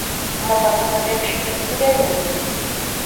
Ama bana modem şifresi vermediniz